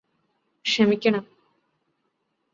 ക്ഷമിക്കണം